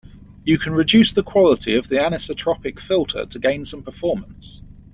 You can reduce the quality of the anisotropic filter to gain some performance.